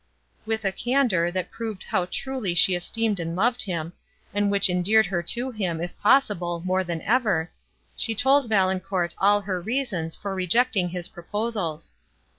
With a candour, that proved how truly she esteemed and loved him, and which endeared her to him, if possible, more than ever, she told Valancourt all her reasons for rejecting his proposals.